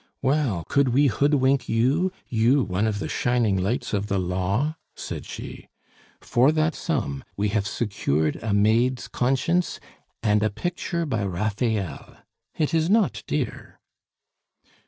"Well, could we hoodwink you, you, one of the shining lights of the law?" said she. "For that sum we have secured a maid's conscience and a picture by Raphael. It is not dear."